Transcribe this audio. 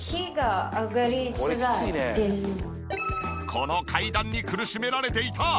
この階段に苦しめられていた。